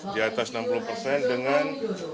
di atas enam puluh persen dengan